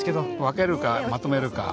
分けるかまとめるか。